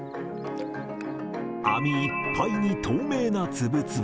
網いっぱいに透明な粒々。